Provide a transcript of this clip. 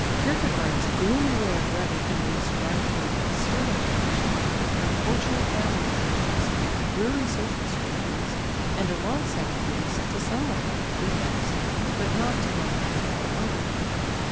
Kierkegaard's gloomy way of writing can be ascribed to an absurd education, unfortunate family relations, dreary social surroundings, and alongside of these to some organic defects, but not to the latter alone.